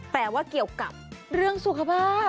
แต่ว่าเกี่ยวกับเรื่องสุขภาพ